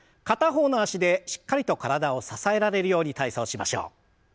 片方の脚でしっかりと体を支えられるように体操しましょう。